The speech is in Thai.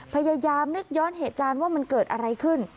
พยายามนึกย้อนเหตุการณ์ว่ามันเกิดอะไรขึ้น